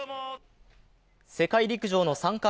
世界陸上の参加